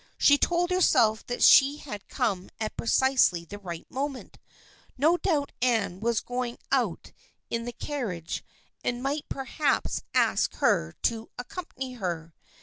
She told herself that she had come at precisely the right moment. No doubt Anne was going out in the carriage and might per haps ask her to accompany her.